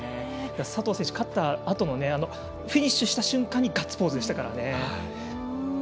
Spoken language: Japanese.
佐藤選手、勝ったあとフィニッシュした瞬間にガッツポーズでしたからね。